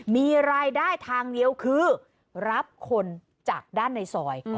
มีรายได้ทางเดียวคือรับคนจากด้านในซอย